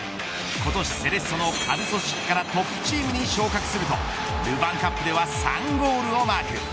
今年セレッソの下部組織からトップチームに昇格するとルヴァンカップでは３ゴールをマーク。